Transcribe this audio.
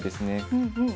うんうん。